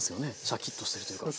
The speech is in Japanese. シャキッとしてるというか。